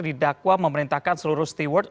didakwa memerintahkan seluruh stewards